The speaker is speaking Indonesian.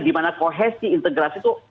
dimana kohesi integrasi itu